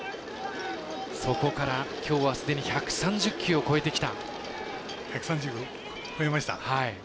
そこから、きょうはすでに１３０球超えてきた。